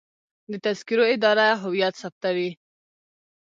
د تذکرو اداره هویت ثبتوي